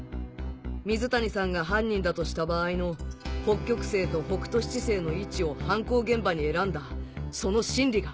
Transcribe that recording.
水谷さんが犯人だとした場合の北極星と北斗七星の位置を犯行現場に選んだその心理が。